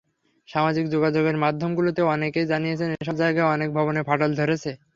সামাজিক যোগাযোগের মাধ্যমগুলোতে অনেকেই জানিয়েছেন এসব জায়গার অনেক ভবনে ফাটল ধরেছে।